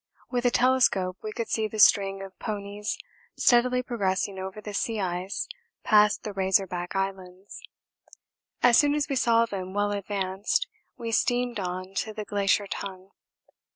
With a telescope we could see the string of ponies steadily progressing over the sea ice past the Razor Back Islands. As soon as we saw them well advanced we steamed on to the Glacier Tongue.